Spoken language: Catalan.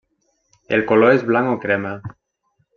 El color és blanc o crema.